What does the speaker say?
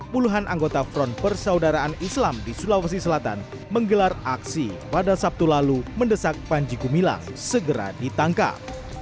puluhan anggota front persaudaraan islam di sulawesi selatan menggelar aksi pada sabtu lalu mendesak panji gumilang segera ditangkap